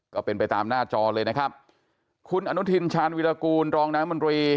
ก็เป็นไปตามหน้าจอเลยนะครับคุณอนุทินชาญวิรากูลรองน้ำมนตรี